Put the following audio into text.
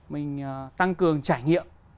mình tăng cường trải nghiệm